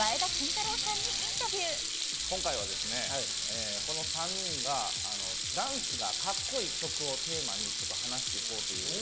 今回はこの３人が「ダンスがカッコイイ！曲」をテーマに話していこうということです。